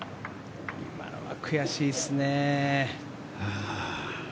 今のは悔しいですね。